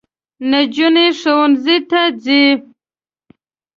نجوني ښوونځۍ ته ځي